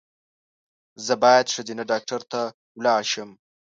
زه باید ښځېنه ډاکټر ته ولاړ شم